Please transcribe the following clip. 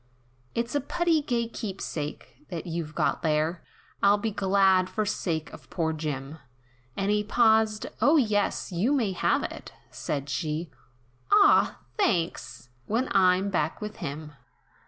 "It's a putty gay keepsake, that you've got there, I'd be glad for sake of poor Jim " And he paused, "O yes you may have it," said she, "Ah! thanks! when I'm back with him.